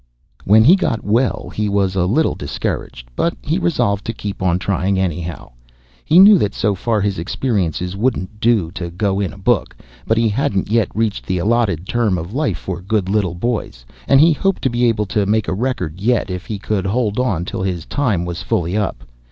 When he got well he was a little discouraged, but he resolved to keep on trying anyhow. He knew that so far his experiences wouldn't do to go in a book, but he hadn't yet reached the allotted term of life for good little boys, and he hoped to be able to make a record yet if he could hold on till his time was fully up.